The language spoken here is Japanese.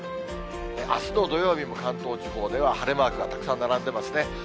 あすの土曜日も関東地方では、晴れマークがたくさん並んでますね。